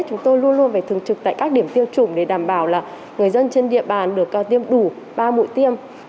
chúng tôi luôn luôn phải thường trực tại các điểm tiêm chủng để đảm bảo là người dân trên địa bàn được tiêm đủ ba mũi tiêm